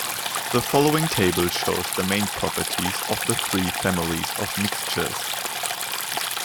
The following table shows the main properties of the three families of mixtures.